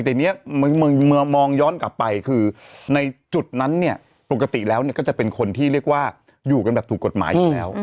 แต่เนี่ยเมื่อมองย้อนกลับไปคือในจุดนั้นเนี่ยปกติแล้วก็จะเป็นคนที่เรียกว่าอยู่กันแบบถูกกฎหมายอยู่แล้ว